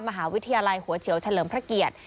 มหาวิทยาลัยหัวเฉียวเฉลิมพระเกียรติ